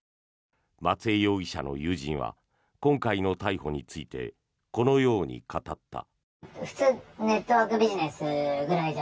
松江容疑者の友人は今回の逮捕についてこのように語った。